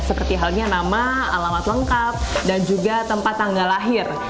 seperti halnya nama alamat lengkap dan juga tempat tanggal lahir